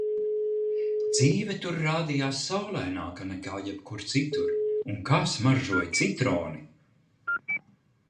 Dzīve tur rādījās saulaināka nekā jebkur citur. Un kā smaržoja citroni!